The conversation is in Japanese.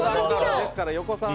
ですから、横澤さん